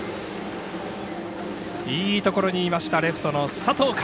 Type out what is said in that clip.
いいところにいましたレフトの佐藤海。